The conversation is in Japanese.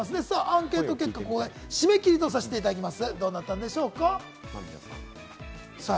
アンケート結果、締め切りとさせていただきます。